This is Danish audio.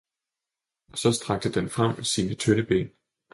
Og så strakte den frem sine tynde ben.